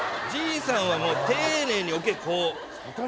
じいさんは丁寧に置けこう。